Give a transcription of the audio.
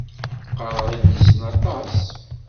Qqareɣ idlisen aṭas.